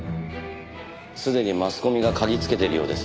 すでにマスコミが嗅ぎつけているようです。